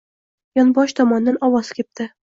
yonbosh tomondan ovoz kepti: